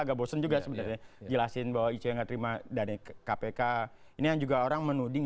agak bosen juga sebenarnya jelasin bahwa icw nggak terima dana kpk ini yang juga orang menuding